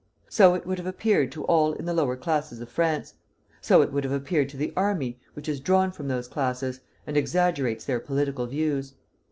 So it would have appeared to all in the lower classes of France; so it would have appeared to the army, which is drawn from those classes, and exaggerates their political views."